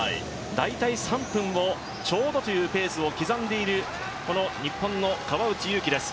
大体３分をちょうどというペースを刻んでいる日本の川内優輝です。